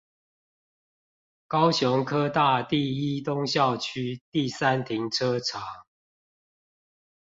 高雄科大第一東校區第三停車場